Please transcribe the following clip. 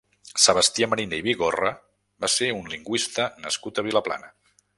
Sebastià Mariner i Bigorra va ser un lingüista nascut a Vilaplana.